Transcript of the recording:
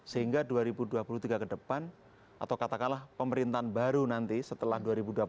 sehingga dua ribu dua puluh tiga ke depan atau katakanlah pemerintahan baru nanti setelah dua ribu dua puluh empat